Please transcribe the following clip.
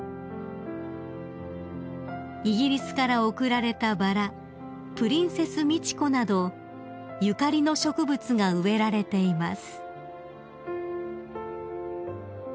［イギリスから贈られたバラプリンセス・ミチコなどゆかりの植物が植えられています］